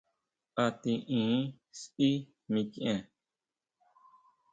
¿A tiʼin sʼí mikʼien?